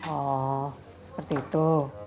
oh seperti itu